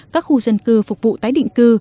các khu dân cư phục vụ tái định cư